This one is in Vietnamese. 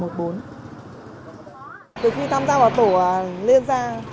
từ khi tham gia vào tổ liên gia